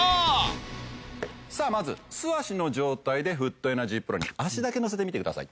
さあまず素足の状態でフットエナジープロに足だけのせてみてください。